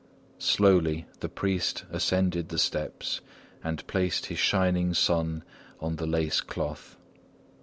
Slowly the priest ascended the steps and placed his shining sun on the lace cloth.